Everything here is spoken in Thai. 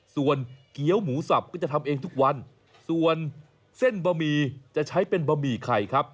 ส่วนเกี้ยวหมูสับก็จะทำเองทุกวันส่วนเส้นบะหมี่จะใช้เป็นบะหมี่ไข่ครับ